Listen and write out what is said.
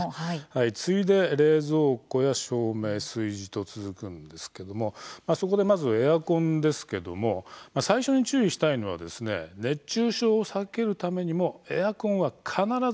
次いで冷蔵庫や照明、炊事と続くんですけどもそこで、まずエアコンですけども最初に注意したいのは熱中症を避けるためにもエアコンは必ず使ってください。